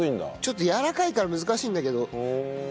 ちょっとやわらかいから難しいんだけど。